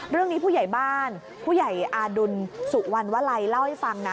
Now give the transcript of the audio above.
ผู้ใหญ่บ้านผู้ใหญ่อาดุลสุวรรณวลัยเล่าให้ฟังนะ